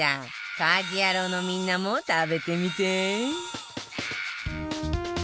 家事ヤロウのみんなも食べてみて